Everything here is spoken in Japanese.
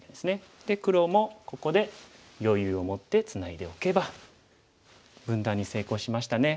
で黒もここで余裕を持ってツナいでおけば分断に成功しましたね。